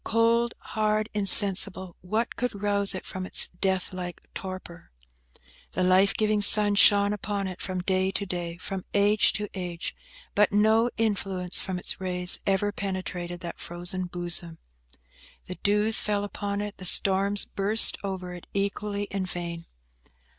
Cold, hard, insensible, what could rouse it from its death like torpor? The life giving sun shone upon it from day to day, from age to age; but no influence from its rays ever penetrated that frozen bosom. The dews fell upon it, the storms burst over it, equally in vain.